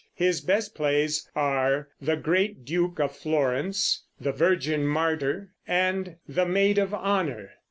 His best plays are The Great Duke of Florence, The Virgin Martyr, and The Maid of Honour.